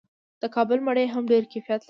د کابل مڼې هم ډیر کیفیت لري.